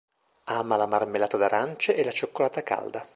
Ama la marmellata d'arance e la cioccolata calda.